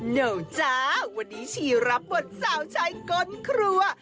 โน้วจ้าวันนี้ฉี่รับบทสาวชายก้อนครัว